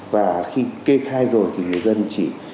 và khi kê khai rồi thì người dân chỉ